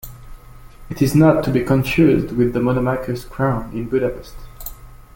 It is not to be confused with the Monomachus Crown in Budapest.